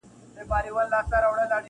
• زه لکه چي ژونده ډېر کلونه پوروړی یم -